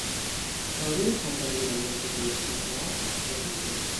تا روی صندلی دندانپزشک نشست، عصبی شد.